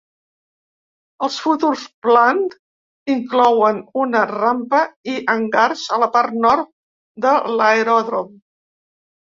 Els futurs plan inclouen una rampa i hangars a la part nord de l'aeròdrom.